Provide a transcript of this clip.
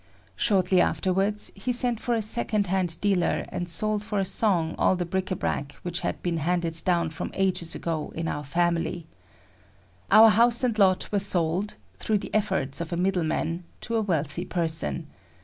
Shortly afterwards he sent for a second hand dealer and sold for a song all the bric a bric which had been handed down from ages ago in our family. Our house and lot were sold, through the efforts of a middleman to a wealthy person.